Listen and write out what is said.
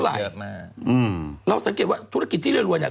การดีคติใจอยู่ทุกวัน